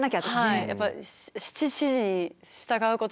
はい。